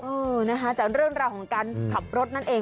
เออนะคะจากเรื่องราวของการขับรถนั่นเอง